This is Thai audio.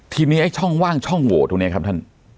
ทีนี้ไอ้ช่องว่างช่องโหวตตรงนี้ครับท่าน